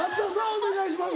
お願いします」